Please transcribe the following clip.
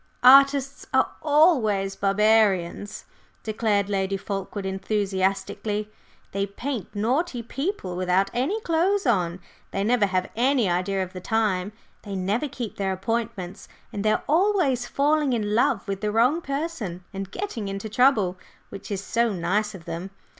"Artists are always barbarians," declared Lady Fulkeward enthusiastically. "They paint naughty people without any clothes on; they never have any idea of time; they never keep their appointments; and they are always falling in love with the wrong person and getting into trouble, which is so nice of them!